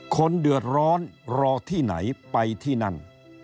คนเดือดร้อนรอที่ไหนไปที่นั่น